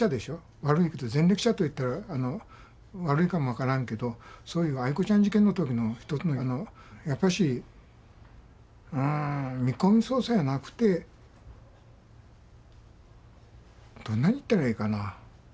悪いけど前歴者と言ったら悪いかも分からんけどそういうアイコちゃん事件の時の一つのやっぱしうん見込み捜査やなくてどんなに言ったらええかな。